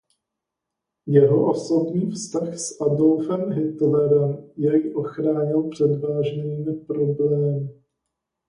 Jeho osobní vztah s Adolfem Hitlerem jej ochránil před vážnými problémy.